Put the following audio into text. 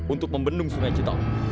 untuk membendung sungai citarum